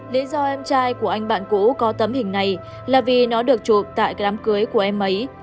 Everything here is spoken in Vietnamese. lý do em trai của anh bạn cũ có tấm hình này là vì nó được chụp tại đám cưới của em ấy